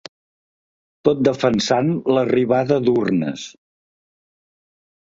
Tot defensant l’arribada d’urnes.